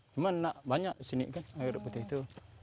cuma enak banyak di sini kan anggrek putih itu